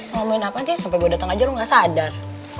ngomong apa aja sampai gue datang aja lo gak sadar